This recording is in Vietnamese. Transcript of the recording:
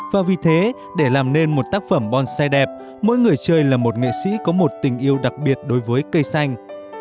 và vì thế để làm nên một tác phẩm bonsai đẹp mỗi người chơi là một nghệ sĩ có một tình yêu đặc biệt đối với cây xanh